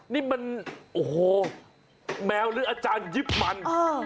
นี่มันโอ้โหแมวหรืออาจารยิบมัน